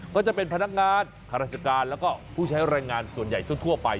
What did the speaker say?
ก็จะเป็นพนักงานข้าราชการแล้วก็ผู้ใช้แรงงานส่วนใหญ่ทั่วไป